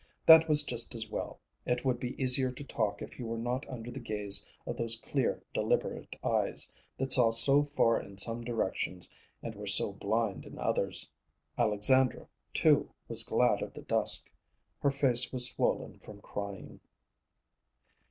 That was just as well; it would be easier to talk if he were not under the gaze of those clear, deliberate eyes, that saw so far in some directions and were so blind in others. Alexandra, too, was glad of the dusk. Her face was swollen from crying.